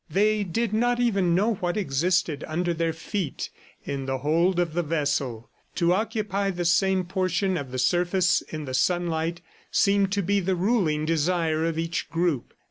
They did not even know what existed under their feet, in the hold of the vessel. To occupy the same portion of the surface in the sunlight seemed to be the ruling desire of each group.